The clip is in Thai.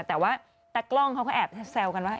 แต่ว่าตากล้องเขาก็แอบแซวกันว่า